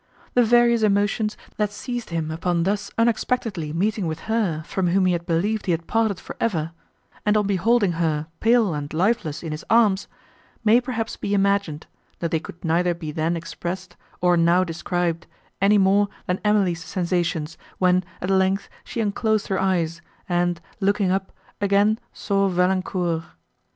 The various emotions, that seized him upon thus unexpectedly meeting with her, from whom he had believed he had parted for ever, and on beholding her pale and lifeless in his arms—may, perhaps, be imagined, though they could neither be then expressed, nor now described, any more than Emily's sensations, when, at length, she unclosed her eyes, and, looking up, again saw Valancourt.